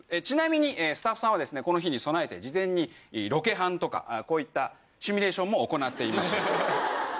ちなみにスタッフさんはこの日に備えて事前にロケハンとかこういったシミュレーションも行っています。